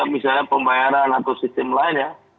misalnya pembayaran atau sistem lain ya